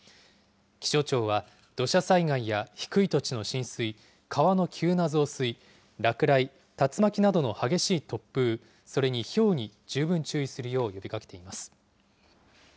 気象庁は、土砂災害や低い土地の浸水、川の急な増水、落雷、竜巻などの激しい突風、それにひょうに十分注意するよう呼びかけています。